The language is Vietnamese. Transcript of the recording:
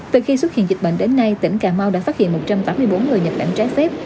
từ khi xuất hiện dịch bệnh đến nay tỉnh cà mau đã phát hiện một trăm tám mươi bốn người nhập cảnh trái phép